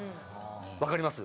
わかります？